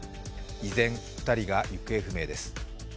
依然、２人が行方不明です。